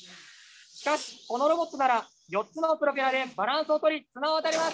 しかしこのロボットなら４つのプロペラでバランスをとり綱を渡れます。